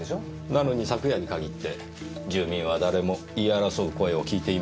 なのに昨夜に限って住民は誰も言い争う声を聞いていません。